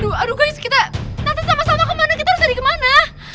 aduh aduh guys kita nanti sama sama kemana kita harus lari kemana